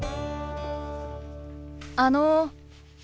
あの。